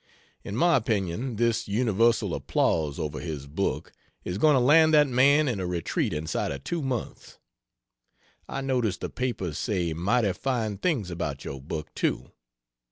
In my opinion, this universal applause over his book is going to land that man in a Retreat inside of two months. I notice the papers say mighty fine things about your book, too.